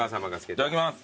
いただきます。